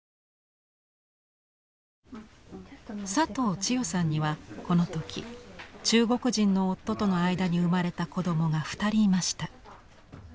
佐藤千代さんにはこの時中国人の夫との間に生まれた子どもが２人いました。